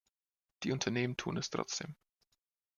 Die Unternehmen tun es trotzdem.